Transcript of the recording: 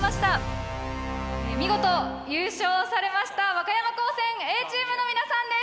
見事優勝されました和歌山高専Ａチームの皆さんです！